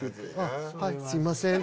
はいすいません！